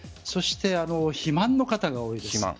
そして肥満の方が多いです。